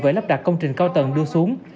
với lắp đặt công trình cao tầng đưa xuống